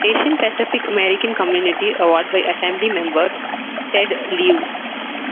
Asian Pacific American Community Award by Assembly member Ted Lieu.